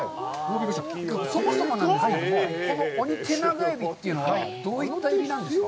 そもそもなんですけれども、このオニテナガエビというのは、どういったエビなんですか。